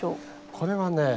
これはね